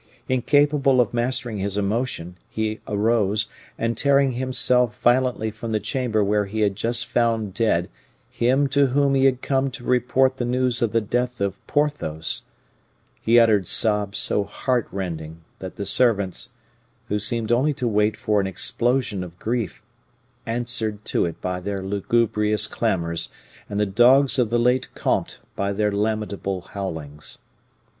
Incapable of mastering his emotion, he arose, and tearing himself violently from the chamber where he had just found dead him to whom he came to report the news of the death of Porthos, he uttered sobs so heart rending that the servants, who seemed only to wait for an explosion of grief, answered to it by their lugubrious clamors, and the dogs of the late comte by their lamentable howlings.